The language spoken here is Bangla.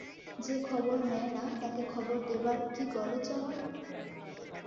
যে খবর নেয় না তাকে খবর দেবার কী গরজ আমার?